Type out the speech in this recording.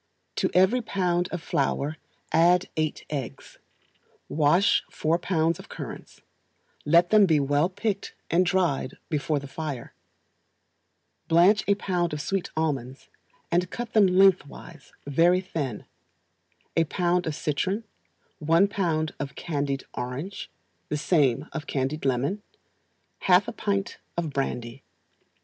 To every pound of flour add eight eggs; wash four pounds of currants, let them be well picked and dried before the fire; blanch a pound of sweet almonds, and cut them lengthwise very thin; a pound of citron; one pound of candied orange; the same of candied lemon; half a pint of brandy.